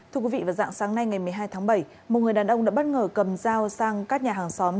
thưa quý vị vào dạng sáng nay ngày một mươi hai tháng bảy một người đàn ông đã bất ngờ cầm dao sang các nhà hàng xóm